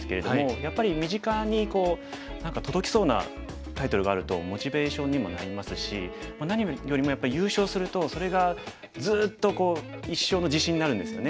やっぱり身近に何か届きそうなタイトルがあるとモチベーションにもなりますし何よりもやっぱ優勝するとそれがずっと一生の自信になるんですよね。